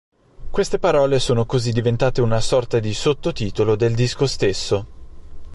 Queste parole sono così diventate una sorta di sottotitolo del disco stesso.